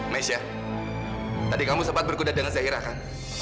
mesya tadi kamu sempat berkuda dengan zaira kan